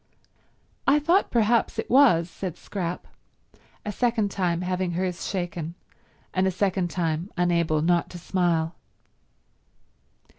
"I thought perhaps it was," said Scrap, a second time having hers shaken and a second time unable not to smile.